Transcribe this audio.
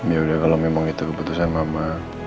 yaudah kalau memang itu keputusan mama